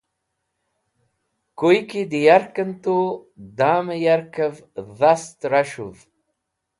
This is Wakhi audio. Koy ki dẽ yarkẽn tu damẽ yarkvẽs̃ dhast ras̃hov.